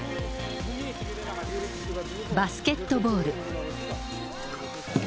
バスケットボール。